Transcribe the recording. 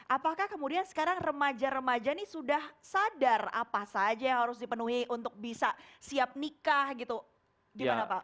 apakah kemudian sekarang remaja remaja ini sudah sadar apa saja yang harus dipenuhi untuk bisa siap nikah gitu gimana pak